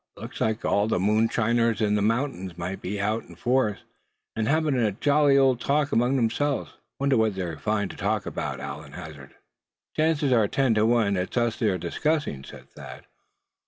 "Looks like all the moonshiners in the mountains might be out in force, and having a jolly old talk among themselves. Wonder what they find to talk about?" Allan hazarded. "Chances are ten to one it's us they're discussing," said Thad.